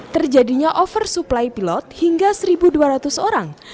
terjadinya oversupply pilot hingga satu dua ratus orang